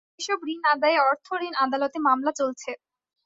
এসব ঋণ আদায়ে অর্থঋণ আদালতে মামলা চলছে।